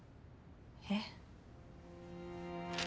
えっ？